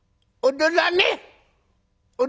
踊らねえ？